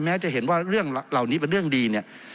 จะเห็นว่าเรื่องเหล่านี้เป็นเรื่องดีเนี่ย